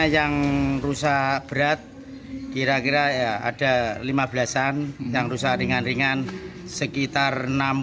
yang rusak berat kira kira ya ada lima belas an yang rusak ringan ringan sekitar enam